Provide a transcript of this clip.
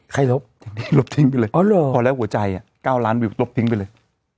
ใครลบลบทิ้งไปเลยอ๋อเหรอพอแล้วหัวใจอ่ะเก้าร้านวิวลบทิ้งไปเลย